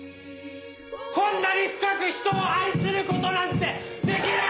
こんなに深く人を愛することなんてできない！